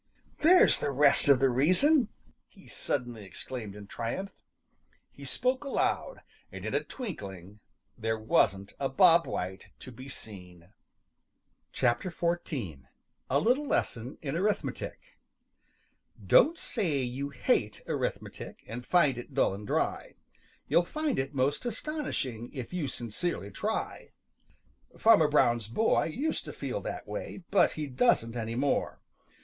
"There's the rest of the reason!" he suddenly exclaimed in triumph. He spoke aloud, and in a twinkling there wasn't a Bob White to be seen. XIV. A LITTLE LESSON IN ARITHMETIC ````Don't say you "hate" arithmetic, ````And find it dull and dry. ````You'll find it most astonishing ````If you sincerely try.= |Farmer brown's boy used to feel that way, but he doesn't any more.